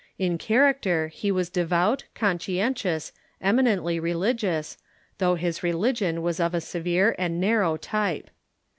^ In character he was devout, conscientious, eminently religious, thou< h his religion was of a severe and narrow type.